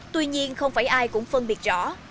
tuy nhiên không phải ai cũng phân biệt rõ